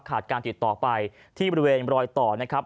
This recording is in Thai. การติดต่อไปที่บริเวณรอยต่อนะครับ